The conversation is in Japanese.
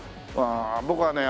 ああ僕はね